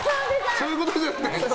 そういうことじゃない。